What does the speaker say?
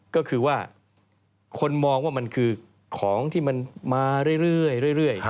ก็คือว่าคนมองว่ามันคือของที่มันมาเรื่อย